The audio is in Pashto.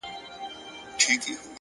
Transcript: هره تېروتنه د اصلاح فرصت زېږوي.!